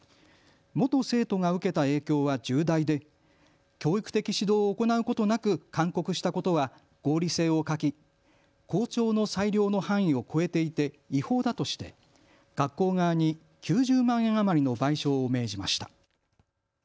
元生徒が受けた影響は重大で教育的指導を行うことなく勧告したことは合理性を欠き、校長の裁量の範囲を超えていて違法だとして学校側に９０万円余りの賠償を命じました。